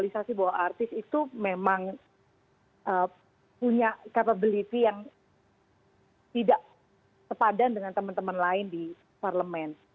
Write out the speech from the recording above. sepadan dengan teman teman lain di parlemen